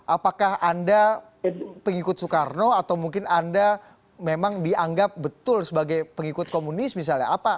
apakah anda pengikut soekarno atau mungkin anda memang dianggap betul sebagai pengikut komunis misalnya